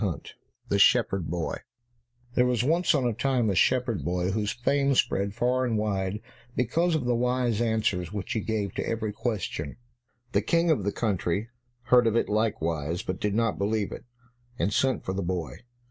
152 The Shepherd Boy There was once on a time a shepherd boy whose fame spread far and wide because of the wise answers which he gave to every question. The King of the country heard of it likewise, but did not believe it, and sent for the boy.